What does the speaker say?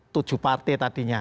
tujuh partai tadinya